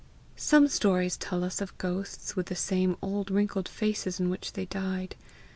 "Some stories tell us of ghosts with the same old wrinkled faces in which they died.